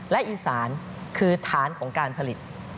และอีสานคือฐานของการผลิต